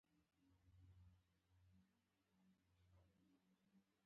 ورزش د دماغو د حافظې قوت زیاتوي.